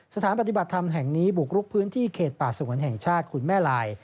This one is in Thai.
สถานปฏิบัติธรรมแห่งนี้บุกรุกพื้นที่เขตป่าสงวนแห่งชาติคุณแม่ลาย